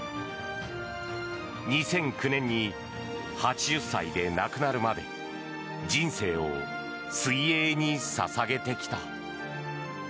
２００９年に８０歳で亡くなるまで人生を水泳に捧げてきた。